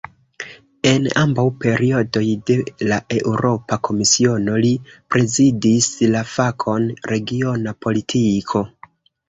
En ambaŭ periodoj de la Eŭropa Komisiono, li prezidis la fakon "regiona politiko".